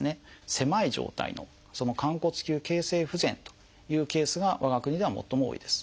狭い状態の寛骨臼形成不全というケースが我が国では最も多いです。